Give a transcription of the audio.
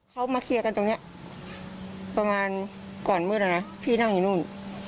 เขามาเคลียร์กันตรงนี้ประมาณก่อนมืดนะพี่นั่งอยู่นู่น